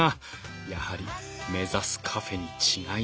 やはり目指すカフェに違いないはず。